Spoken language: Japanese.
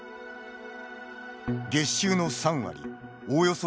月収の３割おおよそ